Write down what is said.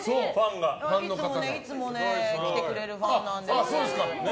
いつも来てくれるファンなんです。